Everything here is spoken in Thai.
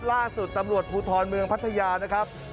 ล่าสุดตำรวจภูทรเมืองพัทยานะครับ